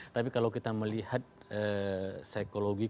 tapi kalau kita melihat psikologi